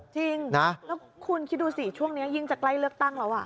จริงแล้วคุณคิดดูสิช่วงนี้ยิ่งจะใกล้เลือกตั้งแล้ว